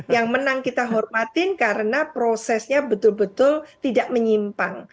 yang menang kita hormatin karena prosesnya betul betul tidak menyimpang